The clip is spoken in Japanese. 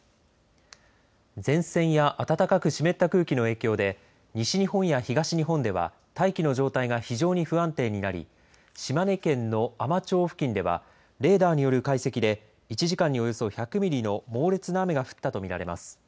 前線や暖かく湿った空気の影響で西日本や東日本では大気の状態が非常に不安定になり島根県の海士町付近ではレーダーによる解析で１時間におよそ１００ミリの猛烈な雨が降ったと見られます。